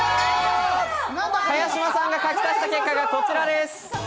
茅島さんが描き足した結果がこちらです。